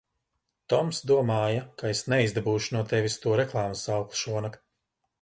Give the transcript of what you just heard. Toms domāja, ka es neizdabūšu no tevis to reklāmas saukli šonakt.